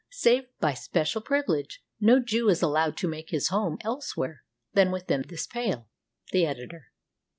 Save by special privilege, no Jew is allowed to make his home elsewhere than within this Pale. The Editor.